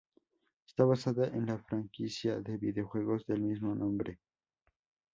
Está basada en la franquicia de videojuegos del mismo nombre.